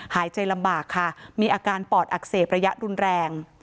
หายใจลำบากค่ะมีอาการปอดอักเสบระยะรุนแรง